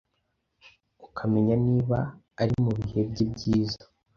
ukamenya niba ari mu bihe bye byiza